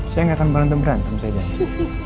saya gak akan berantem berantem saya janji